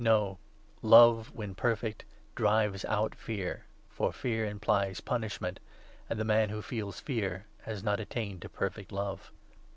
No ! Love, when perfect, 18 drives out fear, for fear implies punishment, and the man who feels fear has not attained to perfect love.